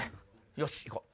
よし行こう。